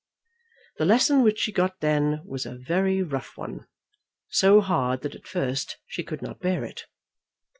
The lesson which she got then was a very rough one, so hard that at first she could not bear it.